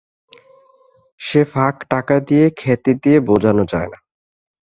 সে ফাঁক টাকা দিয়ে, খ্যাতি দিয়ে, বোজানো যায় না।